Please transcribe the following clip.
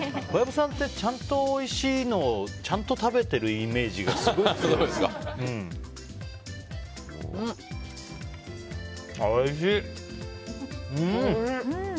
小籔さんってちゃんとおいしいのをちゃんと食べてるイメージがすごい強い。